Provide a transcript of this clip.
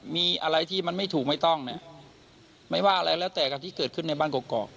มีอะไรที่มันไม่ถูกไม่ต้องเนี่ยไม่ว่าอะไรแล้วแต่กับที่เกิดขึ้นในบ้านกรอก